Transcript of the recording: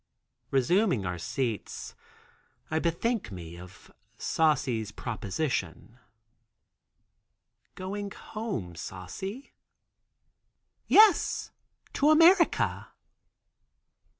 Resuming our seats I bethink me of Saucy's proposition: "Going home, Saucy?" "Yes, to America."